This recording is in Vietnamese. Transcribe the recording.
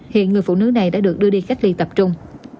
hiện người phụ nữ này đã được đưa đi cách ly tập trung